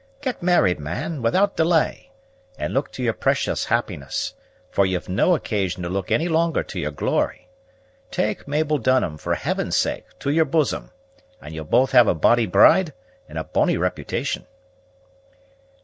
Get married, man, without delay, and look to your precious happiness; for ye've no occasion to look any longer to your glory. Take Mabel Dunham, for Heaven's sake, to your bosom, and ye'll have both a bonnie bride and a bonnie reputation."